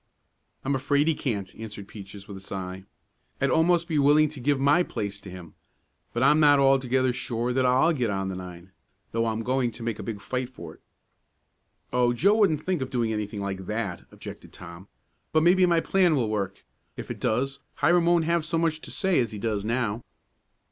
"I'm afraid he can't," answered Peaches with a sigh. "I'd almost be willing to give my place to him, but I'm not altogether sure that I'll get on the nine, though I'm going to make a big fight for it." "Oh, Joe wouldn't think of doing anything like that!" objected Tom. "But maybe my plan will work. If it does, Hiram won't have so much to say as he does now."